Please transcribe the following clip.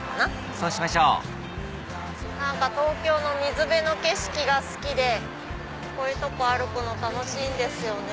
そうしましょう東京の水辺の景色が好きでこういうとこ歩くの楽しいんですよね。